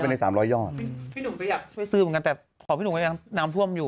พี่หนุ่มก็อยากช่วยซื้อเหมือนกันแต่ขอพี่หนุ่มไว้อย่างน้ำท่วมอยู่